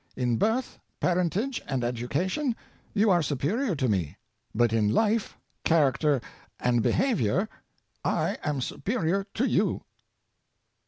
In birth, parentage and education you are superior to me, but in life, character and behavior I am superior to you."